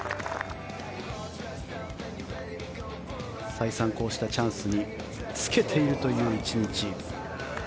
再三こうしたチャンスにつけているという１日。